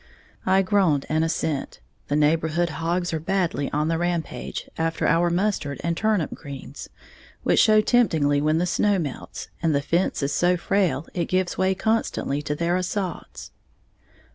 I groaned an assent, the neighborhood hogs are badly on the rampage, after our mustard and turnip greens, which show temptingly when the snow melts; and the fence is so frail it gives way constantly to their assaults.